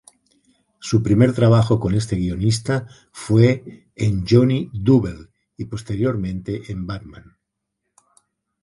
Su primer trabajo con este guionista fue en "Johnny Double" y posteriormente en "Batman".